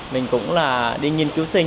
mình cũng đi nghiên cứu sinh